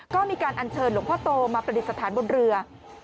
ก็มีการอัญเชิญหลวงพ่อโตมาประดิษฐานบนเรือ